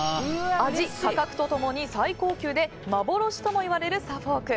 味、価格と共に最高級で幻ともいわれるサフォーク。